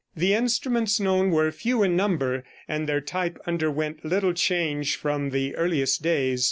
The instruments known were few in number, and their type underwent little change from the earliest days.